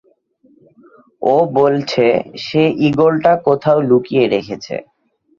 ও বলছে সে ঈগলটা কোথাও লুকিয়ে রেখেছে।